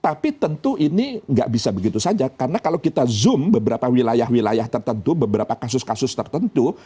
tapi tentu ini nggak bisa begitu saja karena kalau kita zoom beberapa wilayah wilayah tertentu beberapa kasus kasus tertentu